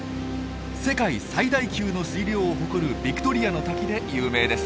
世界最大級の水量を誇るビクトリアの滝で有名です。